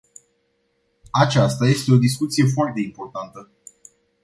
Aceasta este o discuție foarte importantă.